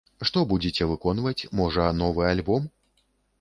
Што будзеце выконваць, можа, новы альбом?